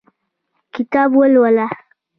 کتاب ولوله